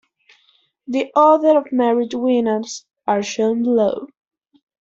The Order of Merit winners are shown below.